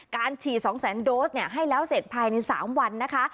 การฉีดสองแสนโดสเนี่ยให้แล้วเสร็จภายในสามวันนะคะ